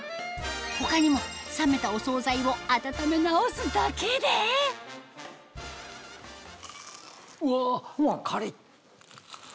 他にも冷めたお総菜を温め直すだけでうわカリっ！